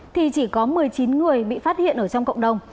thì chỉ có một mươi chín người bị phát hiện ở trong cộng đồng